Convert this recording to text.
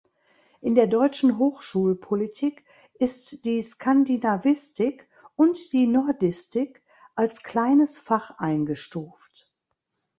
In der deutschen Hochschulpolitik ist die Skandinavistik und die Nordistik als Kleines Fach eingestuft.